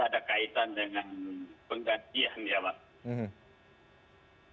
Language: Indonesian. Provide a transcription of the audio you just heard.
saya dengan aku pada kaitan dengan penggantian ya pak